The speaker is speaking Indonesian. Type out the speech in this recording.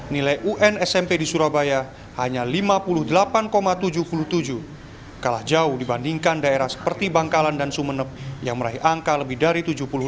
nilai un smp di surabaya hanya lima puluh delapan tujuh puluh tujuh kalah jauh dibandingkan daerah seperti bangkalan dan sumeneb yang meraih angka lebih dari tujuh puluh lima